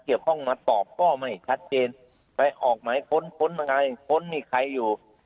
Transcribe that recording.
เกี่ยวข้องมาตอบก็ไม่ชัดเจนไปออกหมายค้นค้นยังไงค้นมีใครอยู่